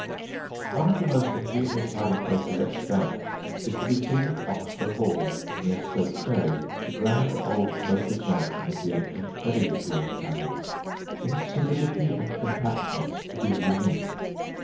One of the most ingenious hiding places extant is to be seen at Oxburgh Hall, near Stoke Ferry, the grand old moated mansion of the ancient Bedingfield family. In solidity and compactness it is unique.